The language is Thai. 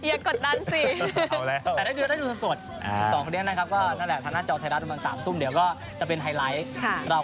อาทิตย์สุดท้ายอาทิตย์สุดท้ายครับ